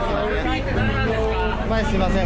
前すいません。